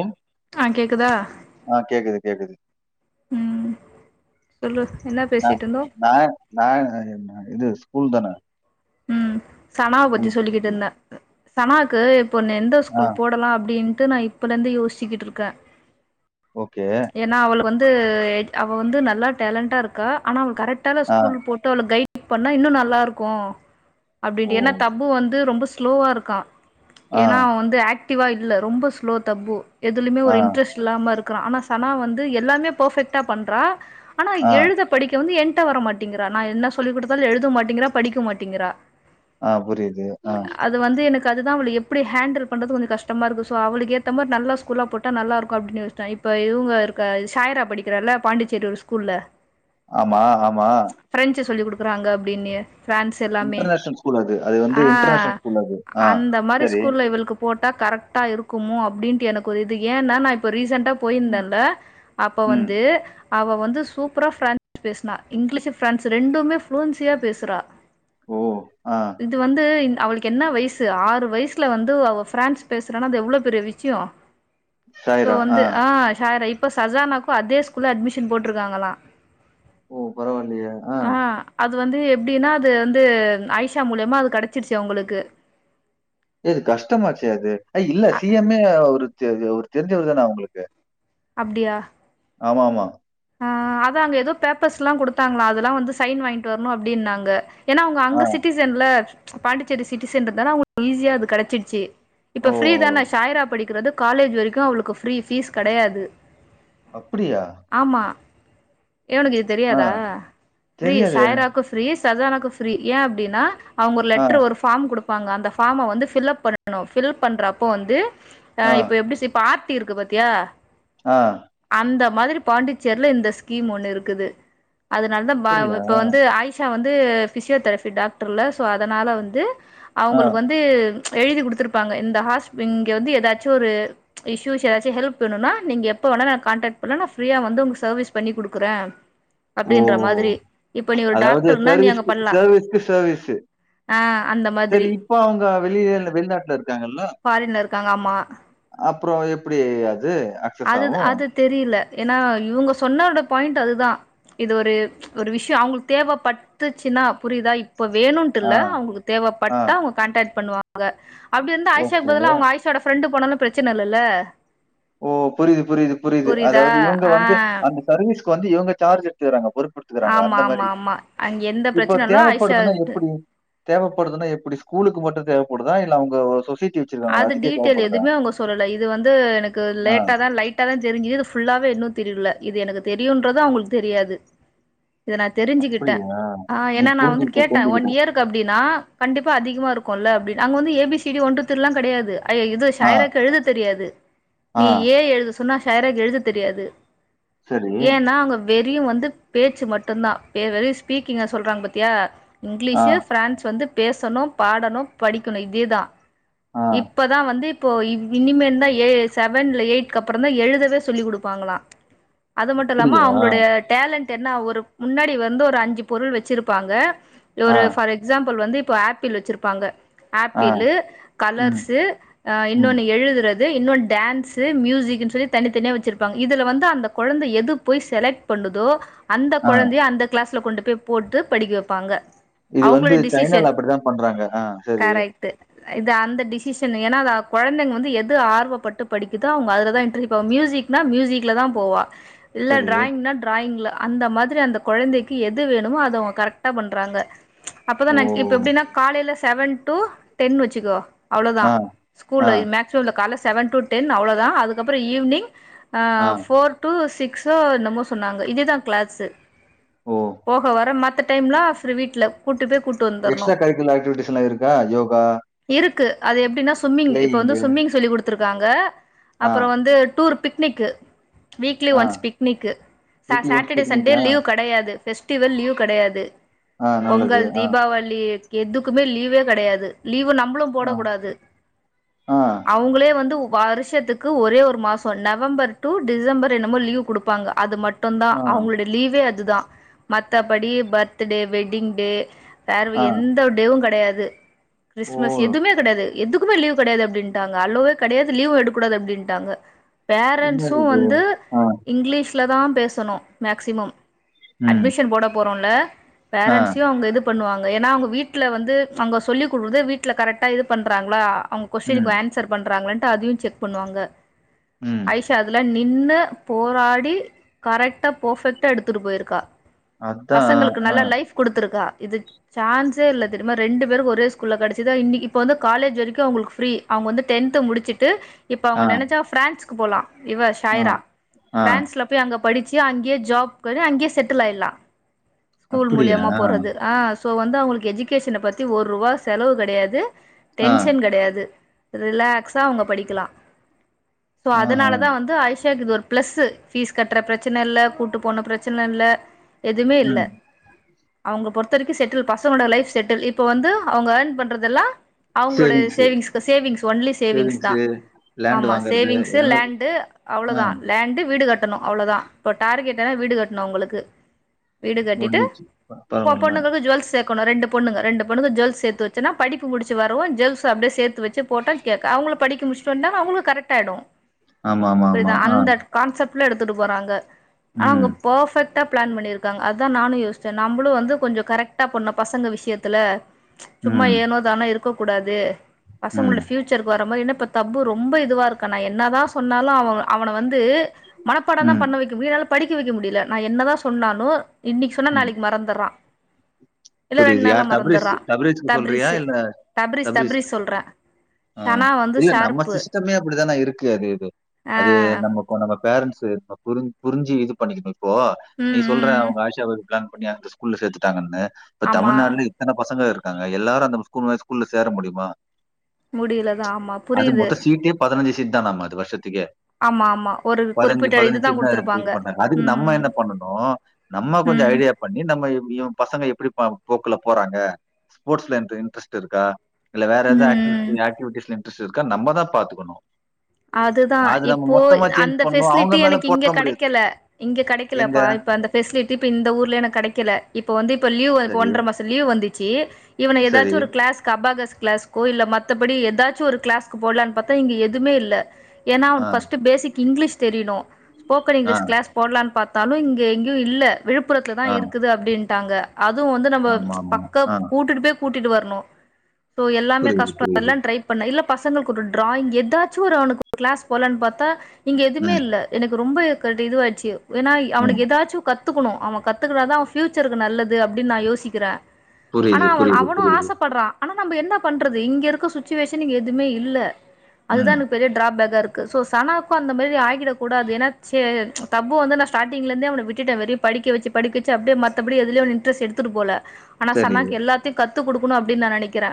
ம். ஆ கேக்குதா ஆ கேக்குது கேக்குது ம் சொல்லு என்ன ந பேசிட்டு இருந்தோ நா நா என்ன இது ஸ்கூல் தான ம் சனா பத்தி சொல்லிக்கிட்டிர்ந்த சனாக்கு இப்போ நே எந்த ஆ ஸ்கூல் போடலா அப்டின்ட்டு நா இப்பட இர்ந்து யோசிக்கிட்ருக்க ஓகே ஏனா அவள்க்கு வந்து் அவ வந்து நல்லா டேலண்ட்டா இருக்கா ஆனா அவுளு கரெக்டான ஆ. ஸ்கூல் போ ட்டு அவள கைட் பண்ணா இன்னு நல்லா இருக்கு ஓ! அப்டிடு ஏனா தப்பூ வந்து ரொம்பஸ் க்லோவா இருக்கான் ஆ, ஏனா அவன் வந்து ஆக்டிவா இல்ல ரொம்ப ஸ்லோ தப்பூ எதுலுமே ஆ, ஒரு இன்ட்ரெஸ் இல்லாம இருக்குறான் ஆனா சனா வந்து எல்லாமே பர்ஃபெக்ட்டா பண்றா ஆனா ஆ, எழுத படிக்க வந்து என்ட்ட வர மாட்டீங்குறா நா என்ன சொல்லி குடுத்ததாலு எழுத மாட்டீங்கிறா படிக்க மாட்டீங்கிறா ஆ புரிது ஆ அது வந்து எனக்கு அதுதா அவள எப்டி ஹேண்டில் பண்றது கொஞ்ச கஷ்டமா இருக்கு சோ அவளுக் ஏத்தமாரி நல்லா ஸ்கூல்லா போ ட்டா நல்லா இருக்கு அப்டின் யோஸ்த்த இப்ப இவுங்க இருக்க சாய்ரா படிக்கிறால பாண்டிச்சேரி ஒரு ஸ்கூல்ல ஆமா ஆமா ப்ரெஞ்சு சொல்லி குடுக்குறாங்க அப்டின்னு ஃபிரான்ஸ் எல்லாமே இன்டர்நேஷனல் ஸ்கூல் அது. அது வந்து ஆ இன்டர்நேஷனல் ஸ்கூல் அது. ஆ அந்த மாரி சரி. ஸ்கூல்ல இவளுக்கு போட்டா கரெக்ட்டா இருக்குமோ அப்டின்ட்டு எனக்கு ஒரு இது ஏனா நா இப்ப ரீசண்ட்டா ம், போயிர்ந்தன்ல அப்ப ம். வந்து அவ வந்து சூப்புரா ஃப்ரான்ஸ் பேசுனா இங்கிலீஷ் ஃபிரான் பேஸ்னா இங்குலிஷு பிரான்ஸு ரெண்டுமே ஃப்ளூயன்சியா பேசுறா ஓ ஆ இது வந்து அவளுக்கு என்ன வயசு ஆறு வய்ஸ்ல வந்து அவோ ஃப்ரான்ஸ் பேசுரானா அது எவ்ளோ பெரிய விஷ்யோ சோ வந்து ஆ ஷாய்ரா இப்ப சசானாக்கு அதே ஸ்கூல்ல அட்மிஷன் போட்ருக்காங்களா ஓ பரவா இல்லையே ஆ அது வந்து எப்டினா அது வந்து ஆய்ஷா மூல்யமா அது கெடச்சிருச்சு அவுங்களுக்கு இது கஷ்டமாச்சே அது அ இல்ல சி எம்மே அவுருக் தெரிஞ்சவர் தெரிஞ்சவர்தானா அவுங்ளுக்கு அப்டியா ஆமாம்மா ஆ அதா அங்க எதோ பேப்பர்ஸ்லா குடுத்தாங்ளா அதெல்லா வந்து சைன் வாய்ங்ட்டு வர்ணு அப்டின்னாங்க ஏன்னா அவுங்க ஆ. அங்க சிட்டிசன்ல பாண்டிச்சேரி சிட்டிசன்றதால அவு [inaudible] ஈஸியா அது கெடச்சிட்ச்சி. ஓ! இப்ப ஃப்ரீதான சாய்ரா படிக்கறது காலேஜ் வரிக்கு அவுளுக்கு ஃப்ரீ ஃபீஸ் கெடையாது. அப்பிடியா? ஆமா ஏ உனுக்கு இது ஆ தெரியாதா? ஃப்ரீ தெரியாதே. சாய்ராக்கு ஃபிரீ சஜானாக்கு ஃபிரீ ஏ அப்டினா அவுங்க ஒரு ஆ. லெட்ரு ஒரு ஃபாம் குடுப்பாங்க அந்த ஃபாம வந்து ஃபில் அப் பண்ணனு ஃபில் பண்றப்போ வந்து ஆ இப்ப எப்டி சி பார்ட்டி இருக்கு பாத்தியா? ஆ. அந்த மாதிரி பாண்டிச்சேர்ல இந்த ஸ்கீம் ஒண்ணு இருக்குது. அதுனால்தா பா புரியல இப்ப வந்து ஆய்ஸ் ஸா வந்து ஃபிசியோதரஃபி டாக்டர்ல்ல சோ அதனால வந்து ஆ அவுங்களுக்கு வந்து எழுதி குடுத்திருப்பாங்க இந்த ஹாஸ்ப் இங்க வந்து எதாச்சு ஒரு இஸ்யூஸ் எதாச்சி ஹெல்ப் வேணுனா நீங்க எப்ப வேணாலு என்ன காண்டாக்ட் பண்லா நா ஃப்ரியா வந்து உங்க சவீஸ் பண்ணி குடுக்குறே. ஓ ஒரு அதாவது டாக்டர்னா நீ அங்க சர்வீஸ்க்கு பண்ணலாம் செவீஸ்க்கு செவீஸு. ஆ அந்த மாதிரி செரி இப்ப அவுங்க வெளிய இல்ல வெளிநாட்ல இருக்காங்கல்ல. ஃபாரின்ல இருக்காங்க ஆமா அப்றோ எப்டி அது அ அதுத் அது தெரில ஏனா இவுங்க சொன்னோட பாயிண்ட் அதுதா. இது ஒரு ஒரு விஷ்யோ அவுங்குளுக் தேவப்பட்டுச்சுன்னா புரிதா இப்ப வேணுன் ஆ, டுல்ல அவுங்குளுக் ஆ. தேவப்பட்டா அவுங்க கான்டாக்ட் பண்ணுவாங்க அப்டி இருந்தா ஆய்ஷாக் ஓகே. பதிலா அவுங்க ஆய்ஸ் சோட ஃப்ரெண்டு போனாலு பிரச்சன இல்லல்ல. ஓ புரிது புரிது புரிது புரியுதா அதாவது இவுங்க ஆ வந்து அந்த சர்வீஸ்க்கு வந்து இவுங்க சார்ஜ் எடுத்துகிறாங்க பொறுப்பு த்துகறாங்க ஆமா அந்த ஆமா மாரி ஆமா அங்க எந்த இப்ப பிரச்சன இல்ல தேவப்படுதுன்னா ஆயிஷா எப்பிடி? தேவைப்படுதுன்னா எப்பிடி ஸ்கூலுக்கு மட்டு தேவப்படுதா இல்ல அவுங்க ஒ சொசைட்டி வச்சிருக்காங்களா? அது அதுக்கே டீட்டெயில் தேவைப்படுதா? எதுமே அவுங்க சொல்லல இது வந்து எனக்கு ஆ. லேட்டா தா லை ட்டாதா தெரிஞ்சிது இது ஃபுல்லாவே இன்னு தெரில. இது எனக்கு தெரியுன்றது அவுங்களுக் தெரியாது. இத நா தெரிஞ்சுக்கிட்டே புரியுது. ஆ நீ ஏனா நா வந்து புரிஞ்சுகிட்ட, கேட்டே ஒன் புரிஞ்சுகிட்ட. இயர் க்கு அப்டினா கண்டிப்பா அதிகமா இருக்குல்ல அப்டின் அங்க வந்து A B C D one two three long கெடையாது. அய்யோ இது ஆ, சாய்ராக்கு எழுத தெரியாது. ஆ. நீ ஏ எழுது சொன்னா சாய்ராக்கு எழுத தெரியாது. சரி. ஏன்னா அங்க வெரியு வந்து பேச்சு மட்டுந்தா பெ வெரு ஸ்பீக்கிங்க சொல்றாங் பாத்தியா? ஆ. இங்கிலீஷு, ஃப்ரான்ஸ் வந்து பேசணு, பாடணு, படிக்கணு இதே தா. ஆ. இப்பதா வந்தி இப்போ இவ் இனிமேன்ந்தா ஏ செவன் இல்ல எயிட்கப்புறந்தா எழுதவே சொல்லிக் குடுப்பாங்களா. அது மட்டு இல்லாம அப்படியா? அவுங்ளுடைய டேலண்ட் என்ன ஒரு முன்னாடி வந்து ஒரு அஞ்சு பொருள் வெச்சிருப்பாங்க. ஆ, ஒரு ஃபார் எக்ஸாம்புள் வந்து இப்ப ஆப்பிள் வெச்சிருப்பாங்க ஆ. ஆப்பிளு ம், கலர்ஸு அ ம். இன்னொன்னு எழுதுறது இன்னு டான்ஸு, மியூசிக்ன் சொல்லி தனித்தனியா வெச்சிருப்பாங் இதுல வந்து அந்த கொழந்த எது போய் செலக் ட் பண்ணுதோ அந்த ஆ. கொழந்தைய அந்த கிளாஸ்ல கொண்டு போய் போட்டு படிக்க வெப்பாங்க. இது வந்து சைனால அப்டிதா பண்றாங்க ஆ செரி. ட்டு. இது அந்த டிசிஷன் எனா அத கொழந்தங் வந்து எது ஆர்வப்பட்டு படிக்கிதோ அவுங்க அதுலதா இட்ரி ப மியூசிக் னா மியூசிக்ல தா போவா. இல்ல சரி. டிராயிங்னா டிராயிங்ல அந்த மாதிரி அந்த கொழந்தைக்கு எது வேணுமோ அத அவுங்க கரெக்டா பண்றாங்க. ஓ! அப்பதான இப்ப எப்டினா காலைல செவன் டு டென் வெச்சிக்கோ. அவ்ளதா ஆ, ஆ, ஸ்கூல்லய் மேக்சிமம்ல கால செவன் டு டென் அவ்ளோதா அதுக்கப்ற ஈவ்னிங் ஆ ஃபோர் டு சிக்ஸோ என்னமோ சொன்னாங்க இதிதா க்ளாஸு ஓ! போஹ வர மத்த டைம்லா ஃப்ரி வீட்ல கூட்டு போய் குட் எக்ஸ்ட்ரா கரிக்குலர் ஆக்டிவிட்டிஸ் எல்லா இருக்கா யோகா இருக்கு அது எப்டின்னா சும்மிங் இப்ப வந்து பிளேயிங்கு. சும்மிங் சொல்லி்க்குடுத்துருக்காங்க ஆ, அப்பறோ வந்து டூர் பிக்னிக்கு வீக்லி ஆ. ஒன்ஸ் பிக்னிக்கு சா வீக்லி ஒன்ஸ் சாட்டடே சண்டே பிக்னிக்கா? லீவ் கிடையாது ஃபெஸ் திவல் லீவ் கடையாது ஆ, நல்லது. பொங்கல் ஆ, தீபாவளி எதுக்குமே லீவே கெடையாது லீவு நம்ளும் ஆ, போடக் கூடாது ஆ அவ்ங்களே வந்துவ் வருஷத்துக்கு ஒரே ஒரு மாசோ நவம்பர் டு டிசம்பர் என்னமோ லீவ் குடுப்பாங்க அது மட் ட்டுன்தா ஆ, அவங்க்ளோட லீவே அதுதா மத்தபடி பர்த்டே வெட்டிங் டே சார்வு ஆ. எந்தவு டேவு கெடையாது ஓ! மஸ் எதுமே கெடையாது எதுக்குமே லீ்வ் கெடையாது அப்படின்ட்டாங்க அலுவே கெடையாது லீவ் எடுக்கூடாது அடின்ட்டாங்க பேரண்ட்ஸு என்னது? வந்து ஆ, இங்லீஷ்லதா பேசனு மேக்ஸிமம் ம், அட்மிஷன் போட போறோல ஆ, பேரண்ட்ஸையு அவங்க இது பண்ணுவாங்க ஏன்னா அவங்க வீட்ல வந்து ஃபங்க சொல்லிக் கொடுக்குற்து வீட்ல கரக்டா இது பண்றாங்ளா அவுங் ம், கொஷ்ன்க்கு ஆன்சர் பண்றாங்களன்ட்டு அதையு செக் பண்ணுவாங்க ம் ஆயிஷா அதுல நின்னு போராடி கரெட்டா பொஃபெக்ட்டா எடுத்துட்டு போய்ருக்கா அதான். பசங்களுக்கு ஆ, நல்ல லைஃப் குடுத்துருக்கா இது சான்ஸே இல்ல தெரிமா ரெண்டு பேரு ஒரே ஸ்கூல்ல கடிச் இதா இன்னி இப்ப வந்து காலேஜ் வரைக்கு அவங்ளு ஃப்ரீ அவங்க வந்து டென்த்து முடிச்சுட்டு இப்ப அவங்க ஆ, நெனைச்சா ஃப்ரான்ஸ் போலா இவ ஆ, ஷாய்ரா ஆ. ஃப்ரான்ஸ்ல போய் அங்க படிச்சி அங்க்யே ஜாப் கொது அங்க்யே செட்டில் ஆய்லா ஸ்கூல் அப்படியா? மூல்யமா போறது ஆஸ் சோ வந்து அவங்களுக்கு எஜிகேஷன பத்தி ஒருவா செலவு கெடையாது ஆ, டென்ஷன் கெடையாது ரிலாக்ஸா அவங்க படிக்கலா சோ ஆஹ. அதனாலத் தா வந்து ஆய்ஷாக் இது ஒரு ப்ளஸ்ஸு ஃபீஸ் கட்ற பிரச்சன இல்ல கூட்டு போன பிரச்சன இல்ல எதுமே இல்ல ம். அவங்க பொறுத்த வரைக்கு செட்டில் பசங்களோட லைஃப் செட்டில் இப்போ வந்து அவங்க ஏர்ன் பண் றதெல்லா அவங்களோட சேரிங்க, சேரிங்க. சேவிங்ஸ்க்கு சேவிங்ஸ் வன்லி சேவிங்ஸ் தா சேவிங்ஸு, லேண்ட் ஆமா வாங்குறது சேவிங்ஸீ ஏதாவது லேண்டு ஆ அவ்ளதா லேண்டு வீடு கட் ட்டனு அவ்ளதா இப்ப டார்கெட் என வீடு கட்ணு அவுங்களுக்கு வீடு கட்டிட்டு முடிஞ்சிச்சு. ப போ பரவால்ல. பொண்ணுகுக்கு ஜுவல்ஸ்ஸு க்கனு ரெண்டு பொண்ணுங்க ரெண்டு பொண்ணு ஜுல்ஸ் சேத்து வச்சனா படிப்பு முடிச்சு வரவு ஜெல்ஸ் அப்டியே சேத்து வெ ச்சு போட்டா கேக் அவுங்கள படிக்க முடிச்சு வன்ட்டா அவுங்குளு கரட் ஆய்டு ஆமா, ஆமா, ஆமா. புரிதா ஆ. அந்தக் கான்செப்ல எடுத்துட்டு போறாங்க ஆனா அவங்க ம், பர்ஃபெக் ட்டா ப்ளான் பண்ணிருக்காங் அதான் நானு யோசிச்ச நம்புளு வந்து கொஞ்சோ கரக்டா பண்ணு பசங்க விஷ்யத்துல சும்மா ம், ஏனோ தானோ இருக்கக்கூடாது ம், பசங்களோட ஃப்யு ச்சருக் வர மாய் என்னப்பா தப்பு ரொம்ப இதுவா இருக்க நா என்னதா‌ சொன்னாலு அவுவு அவன வந்து மனப்பாடன்தா ம், பண்ண வெக்க வீடால படிக்க வெக்க முடில நா என்னதா சொன்னாலு இன்னிக் சொன்னா நாளைக் மறந்துறா‌ புரிது யார் தப்ரெஸ்ஸு தப்ரேச்க்கு சொல்றியா தப்ரிஸு இல்ல தப்ரிஸ் ஆ ஷனா வந்து இல்ல நம்ம ஷார்ப்பு சிஸ்டமே அப்டித்தானா இருக்கு அது இது ஆ அது நம் நம்ம கோனக்க பேரண்ஸு ப புரின் புரிஞ்சி இது பண்ணிக்கிணு இப்போ நீ ம் சொல்ற ம் உங்க ஆஷாவெவ் ப்ளான் பண்ணி அந்த ஸ்கூல்ல சேத்துட்டாங்கன்னு இப்ப ஆமா தமநார்லி எத்தன பசங்க இருக்காங்க எல்லாரு அந்த ம ஸ்கூல் ம ஸ்கூல்ல சேர முடியுமா முடியலதா ஆமா அது புரியுது மொத்த சீட்டே பதினஞ்சு சீட் தானம்ம அது வர்ஷத்துக்கே ஆமா ஆமா ஒரு பதினஞ்சு குறிப்பிட்ட பதினஞ்சு இதுதா இது குடுத்துருப்பாங்க பண்ணாங்க அதுக்கு நம்ம ம் என்ன பண்ணணு நம்ம கொஞ்சோ ம் ஐடியா பண்ணி நம்ம எப்டியு பசங்க எப்டி ப போக்குல போறாங்க ஸ்போர்ட்ஸ்ல இன்ரெ இன்ரெஸ்ட் இருக்கா இல்ல வேற ஏதோ ம் ம் ஆகட்டி ஆக்டிவிட்டிஸ்ல இன்ரெஸ்ட் இருக்கா நம்மதா பாத்துக்கணு அதுதா இப்போ அந்த அவங்க ஃபெசிலிட்டி மேல எனக்கு இங்க போட முடியாது. கடைக்கல இங்க எங்க? கடைக்கலப்பா இப்ப அந்த பெசிலிட்டி இப்ப இந்த ஊர்ல எனக் கடைக்கல இப்ப வந்து இப்ப லீவ் இப்ப சரி, ஒன்றர மாசோ லீவ்வு வந்துச்சு இவன சரி. ஏதாச்சு ஒரு கிளாஸ்க்கு அபாகஸ் கிளாஸ் கோ இல்ல மத்தபடி ஏதாச்சு ஒரு க்ளாஸ்கு போடலான்னு பாத்தா இங்க எதுமே இல்ல ஏனா ஆ, அவுளுக்கு ஃபஸ்ட்டு பேசிக் இங்லிஷ் தெரியிணு ஸ்போக்கன் ஆ, இங்லீஷ் கிளாஸ் போடலான்னு பாத்தாலு இங்க எங்கேயு இல்ல விழுப்புரத்தில தா ஆ. இருக்குது அப்டின்ட்டாங்க அதுவு வந்து நம்ப ஆமாமா. பக்க ஆ. கூட்டிட்டு போய் கூட்டிட்டு வர்ணு சோ எல்லாமே புரியுது, கஷ்டோ புரியுது. எல்லா ட்ரை பண்ண இல்ல பசங்களுக்கு ஒரு ட்ராயிங் எதாச்சு ஒரு அவனுக்கு ஒரு கிளாஸ் போலான்னு பத்தா இங்க எதுமே ம், இல்ல எனக்கு ரொம்ப கட் இதுவாயுச்சு ஏனா ம். அவனுக்கு ஏதாச்சு கத்துக்கணு அவ கத்துக்கனாதா அவன் ஃபியூச்சருக்கு நல்லது அப்டினு நா யோசிக்கிறே ஆனா புரியுது, அவ புரியுது, அவுனு புரியுது. ஆசப்படுறா ஆனா நம்ம என்ன பண்றது இங்க இருக்க சுச்சிவெஷன் இங்க எதுமே இல்ல அதுதா ம். எனக் ட்ராபெங்க இருக்கு சோ சனாவுக்கு அந்த மாரி ஆகிடக்கூடாது ஏனா செ தப்பு வந்து நா ஸ்டார்டிங்ல இருந்தே அவ விட்டுட்டே வெளி படிக்க வச்சு படிக்க வச்சு அப்டியே மத்தபடி எதுலயே அவுனு இன்டரஸ்ட் எடுத்துட்டு போல ஆனா சரி, சன்னாக்கு எல்லாத்தியு கத்து குடுக்கணு அப்டின்னு நா நெனைக்கிறே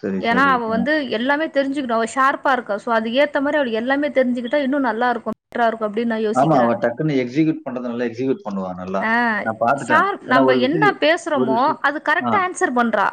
சரி, ஏனா சரி. அவ வந்து எல்லாமே தெரிஞ்சுக்கனு அவ ஷார்பா இருக்கா சோ அதுக்கு ஏத்த மாரி அவ எல்லாமே தெரிஞ்சுக்கிட்டா இன்னு நல்லா இருக்கு பெட்ராருக்கு அப்டின் நா யோ ஆமா அவ டக்குன்னு எக்ஸிக்யூட் பண்றது நல்லா எக்ஸிக்யூட் பண்ணுவா நல்லா ஆ நா பாத்துட்டே ஷார்ப் நம்ம என்ன பேசுறமோ அது ஆ, கரெக்ட்டா ஆன் சர் பண்றா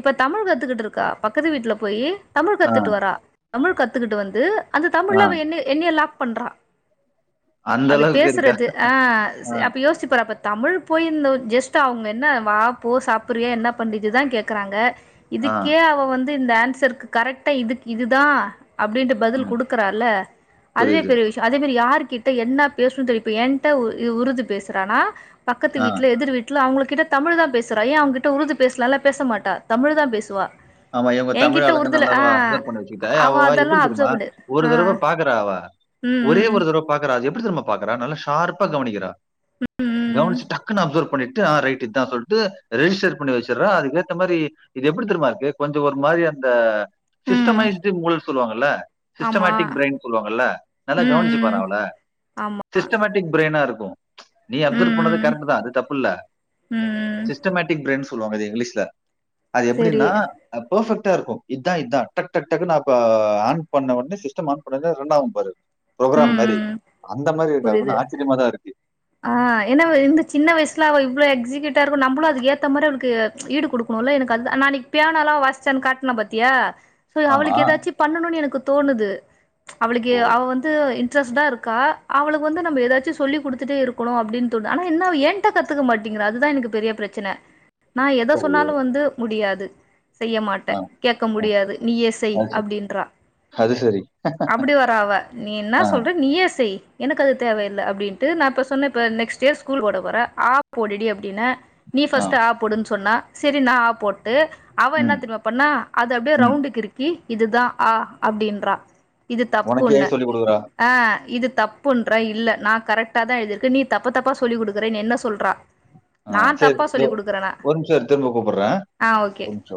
இப்ப தமிழ் கத்துக்கிட்டு இருக்கா பக்கத்து வீட்ல போய் தமிழ் ஆ, கத்துட்டு வரா தமிழ் கத்துக்கிட்டு வந்து அந்த ஆ. தமிழ்ல அவ என்னைய என்னைய லாக் பண்றா அந்த அது அளவுக்கு இருக்கா? பேசுறது அ ஆ, அப்ப யோசிச்சு பாரு அப்ப தமிழ் போய் இந்த ஜஸ்ட் அவுங்க என்ன வா போ சாப்புரிய என்ன பண்ணிட்டு இதா கேக்குறாங்க ஆ, இதுக்கே அவ வந்து இந்த ஆன்சருக்கு கரெக்டா இதுக்கு இதுதா அப்டின்ட்டு பதுல் ம். குடுக்குறால்ல அதுவே புரியுது. பெரிய விஷ் அதே மாரி யார்கிட்ட என்ன பேசுனு தெரியு இப்ப என்ட உருது பேசுறானா பக்கத்து ஆ. வீட்டுல எதுர் வீட் ல அவுங்ககிட்ட தமிழ் தா பேசுறா ஏன் அவுங்ககிட்ட உருது பேசலல்லா பேசமாட்டா தமிழ் தா பேசுவா ஆமா இவங்க தமிழ் என்கிட்ட ஆளுங்க உருதுல நல்ல அவ ஆ அப்சர் பண்ணி வச்சிகிட்டு [unintelligible] அவ அவவா எப்டி அதெல்லா தெரியுமா அப்சர்வ் பண்ணு ஒரு ஆ தடவ பாக்கறா அவ ம் ஒரே ம் ஒரு தட வ பாக்குறா அது எப்டி தெரியுமா பாக்குறா நல்லா ஷார்பா கவுனிக்கிற ம் ம் கவுனிச்சி டக் குன்னு அப்சர்வ் பண்ணிட்டு ஆ ரைட்டு இதா சொல்ட்டு ரிஜிஸ்டர் பண்ணி வச்சிர்ற அது ஏத்த மாரி இது எப்டி தெரிமாருக்கு கொஞ்சோ ஒரு மாரி அந்த ம் சிஸ்டமைஸ்டு முள சொல்லுவாங்கல்ல ஆமா சிஸ்டமேட்டிக் பிரைன் சொல்லுவாங்கல்ல நல்லா ம் கவனிச்சு ம் பாரே அவ்ள ஆமா சிஸ்டமேட் டிக் பிரைய்னா இருக்கு நீ அப்சர்வ் ம் பண்ணது ம் ம் கரெக்டு தா அது தப்பு இல்ல ம் சிஸ்டமேட்டிக் பிரைன் சொல்லுவாங்க இது இங்லீஷ்ல அது செரி எப்டின்னா ஆ பெர்ஃபெக்டா இருக்கு இத்தா இதா டட் டட் டக்குனா அப்ப ஆன் பண்ண உடனே சிஸ்டம் ஆன் பண்ண உனே ரன் ஆகு பாரு ப்ரோக்ரா ம் மாரி ம் அந்த மாரி இருக்கா புரிது [unintelligible] ஆச்சரியமாதா இருக்கு ஆ என்ன அவ்வ இந்த சின்ன வய்சுல அவ இவ்ளோ எக்ஸிக்யூட் இருக்கு நம்பளு அதுக்கு ஏத்த மாரி அவ்ளுக்கு ஈடு குடுக்கணுல எனக்கு அது தா நான் இன்னைக்கு பியானாலா வாசுச்சேன் காட்னே பாத்தியா சோ ஆமா. அவளுக்கு ஏதாச்சு பண்ணணுனு எனக்கு தோணுது அவளுக்கு ஓ! அவ வந்து ப இன்டரஸ்டா இருக்கா அவளுக்கு வந்து நம்ம எதாச்சு சொல்லி குடுத்துட்டே இருக்கணு அப்டின் தோணுது ஆனா என்ன அவ எ தா கத்துக்க மாட்டீங்றா அதுதா எனக்கு பெரிய பிரச்ன நா எத சரி. சொன்னாலு வந்து முடியாது செய்ய மாட்டே ஆ, கேக்க ஆ. முடியாது நீயே செய் அப்டின்றா சேரி அப்டி வரா அவ நீ என்ன சொல்ற நீயே செய் எனக்கு அது தேவயில்லை அப்டின்ட்டு நா இப்ப சொன்ன ப நெக்ஸ்ட் இயர் ஸ்கூல் போட போறே ஆ போடுடி அப்டின்ன நீ ஃபஸ்ட் ஆ போடுன்னு சொன்னா சேரி நா ஆ போட் டு அவ என்ன ம், தெரியுமா பண்ணா அது அப்டியே ம். ரவுண்டு கிருக்கி இதுதா ஆ அப்டின்றா இது உனக்கு தப்புன்னு ஏன் சொல்லிக் குடுக்குறா? ஆ இது தப்புன்ற இல்ல நா கரெக்டா தா எழுதிருக்கு நீ தப்பு தப்பா சொல்லி குடுக்குறே என்ன சொல்றா ஆ நா சரி. தப்பா இதோ சொல்லி குடுக்குறேனா ஒரு நிமிஷம் இரு திரும்ப கூப்பிடுறேன். ஆ ஓகே ஒரு நிமிஷம்.